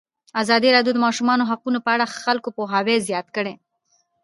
ازادي راډیو د د ماشومانو حقونه په اړه د خلکو پوهاوی زیات کړی.